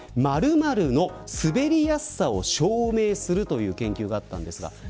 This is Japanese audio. ○○の滑りやすさを証明するという研究がありました。